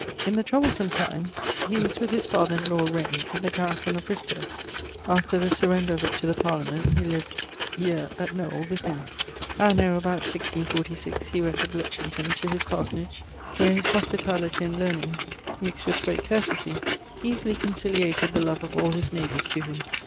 In the troublesome times he was with his father in lawe Wren at the garrison of Bristowe. After the surrender of it to the Parliament, he lived ... year at Knowyll with him. Anno about 1646, he went to Bletchington to his parsonage, where his hospitality and learning, mixt with great courtesie, easily conciliated the love of all his neighbours to him.